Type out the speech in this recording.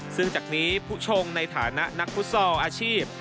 ซึ่งจากนี้ผู้ชงในฐานะนักฟุตซอลอาชีพ